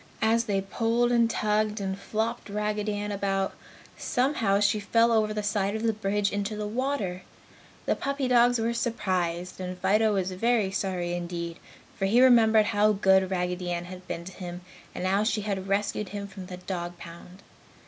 As they pulled and tugged and flopped Raggedy Ann about, somehow she fell over the side of the bridge into the water. The puppy dogs were surprised, and Fido was very sorry indeed, for he remembered how good Raggedy Ann had been to him and how she had rescued him from the dog pound.